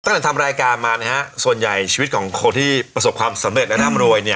ตั้งแต่ทำรายการมานะฮะส่วนใหญ่ชีวิตของคนที่ประสบความสำเร็จและร่ำรวยเนี่ย